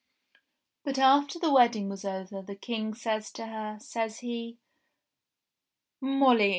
But after the wedding was over the King says to her, says he : "Molly